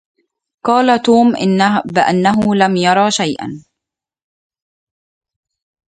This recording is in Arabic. قال توم بأنه لم يرى شيئا.